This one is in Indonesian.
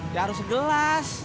ya harus segelas